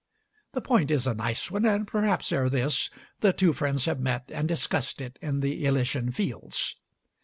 The point is a nice one, and perhaps ere this the two friends have met and discussed it in the Elysian fields.